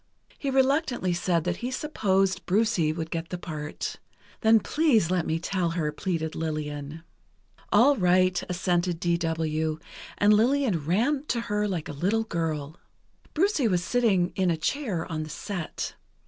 He reluctantly said that he supposed "Brucie" would get the part. "Then please let me tell her," pleaded Lillian. "All right," assented D. W., and Lillian ran to her like a little girl. Brucie was sitting in a chair on the set.